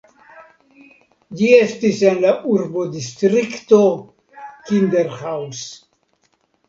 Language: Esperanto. Ĝi estis en la urbodistrikto "Kinderhaus".